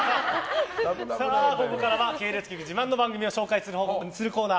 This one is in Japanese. ここからは系列局自慢の番組を紹介するコーナー